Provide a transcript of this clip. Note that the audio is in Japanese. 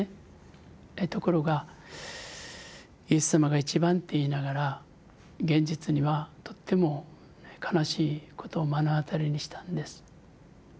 ところが「イエスさまがいちばん」って言いながら現実にはとっても悲しいことを目の当たりにしたんです。